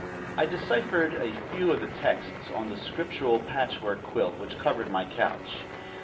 I deciphered a few of the texts on the scriptural patchwork quilt which covered my couch.